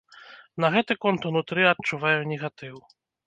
На гэты конт унутры адчуваю негатыў.